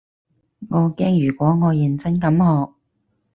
我驚如果我認真咁學